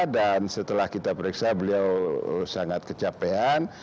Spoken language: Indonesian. dan setelah kita periksa beliau sangat kecapean